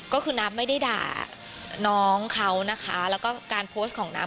ก็คือนับไม่ได้ด่าน้องเขานะคะแล้วก็การโพสต์ของน้ำ